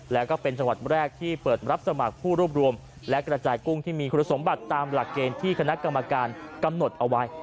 แล้วก็เป็นจังหวัดแรกที่เปิดรับสมัครผู้รวบรวมและกระจายกุ้งที่มีคุณสมบัติตามหลักเกณฑ์ที่คณะกรรมการกำหนดเอาไว้